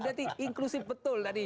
jadi inklusif betul